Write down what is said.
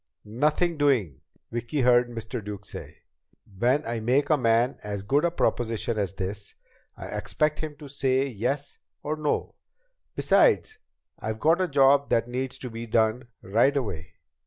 "Nothing doing!" Vicki heard Mr. Duke say. "When I make a man as good a proposition as this, I expect him to say yes or no. Besides, I've got a job that needs to be done right away.